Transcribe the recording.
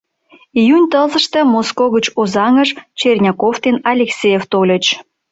Июнь тылзыште Моско гыч Озаҥыш Черняков ден Алексеев тольыч.